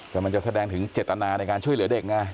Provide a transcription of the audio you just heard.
แต่มันจะแสดงถึงเจตนาในการช่วยเหลือเด็กไง